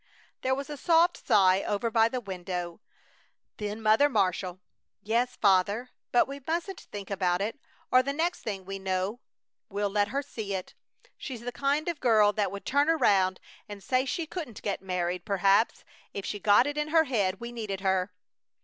There was a soft sigh over by the window, then Mother Marshall: "Yes, Father, but we mustn't think about it, or the next thing we know we'll let her see it. She's the kind of girl that would turn around and say she couldn't get married, perhaps, if she got it in her head we needed her.